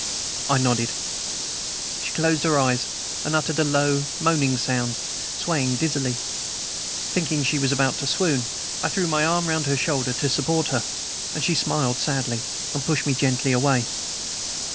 I nodded. She closed her eyes and uttered a low, moaning sound, swaying dizzily. Thinking she was about to swoon, I threw my arm round her shoulder to support her, but she smiled sadly, and pushed me gently away.